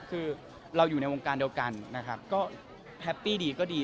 คือเราอยู่ในวงการเดียวกันนะครับก็แฮปปี้ดีก็ดี